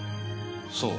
そう。